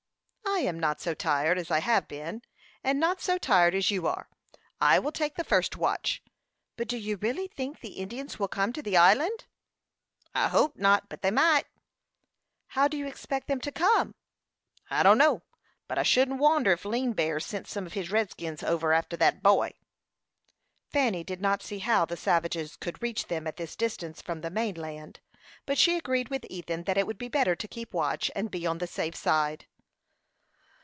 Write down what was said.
"I am not so tired as I have been, and not so tired as you are. I will take the first watch. But do you really think the Indians will come to the island?" "I hope not, but they might." "How do you expect them to come?" "I dunno; but I shouldn't wonder ef Lean Bear sent some of his redskins over arter that boy." Fanny did not see how the savages could reach them at this distance from the main land, but she agreed with Ethan that it would be better to keep watch, and be on the safe side.